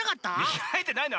みがいてないの！